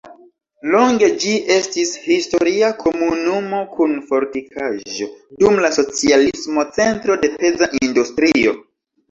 Longe ĝi estis historia komunumo kun fortikaĵo, dum la socialismo centro de peza industrio.